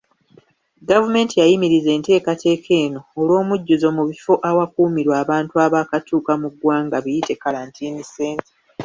Gavumenti yayimiriza enteekateeka eno olw'omujjuzo mubifo awakuumirwa abantu abaakatuuka mu ggwanga biyite kalantiini centre.